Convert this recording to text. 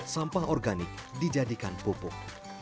sampah organik dijadikan pupuk